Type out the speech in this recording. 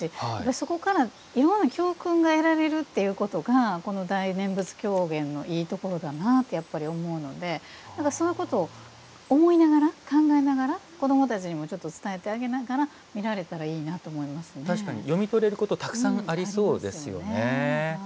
そこからいろんな教訓が得られるということがこの大念仏狂言のいいところだなってやっぱり思うのでそういうことを思いながら考えながら子どもたちにも伝えてあげながら確かに読み取れることはたくさんありそうですよね。